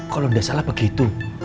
kalau nggak salah begitu